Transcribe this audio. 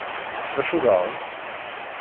D acu daɣen?